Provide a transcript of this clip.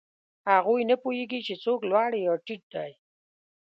هغوی نه پوهېږي، چې څوک لوړ یا ټیټ دی.